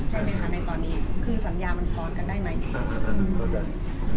ใช่ไหมคะในตอนนี้คือสัญญามันซ้อนกันได้ไหม